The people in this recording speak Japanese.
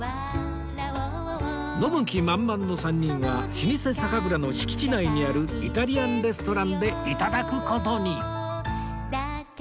飲む気満々の３人は老舗酒蔵の敷地内にあるイタリアンレストランで頂く事に